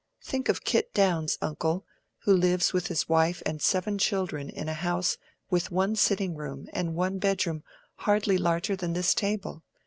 Think of Kit Downes, uncle, who lives with his wife and seven children in a house with one sitting room and one bedroom hardly larger than this table!